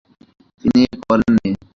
তিনি করেননি।